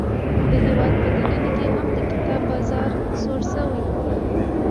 د هیواد په دننه کې هم د کتاب بازار سوړ شوی.